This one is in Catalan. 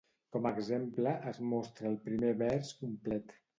Com a exemple, es mostra el primer vers complet.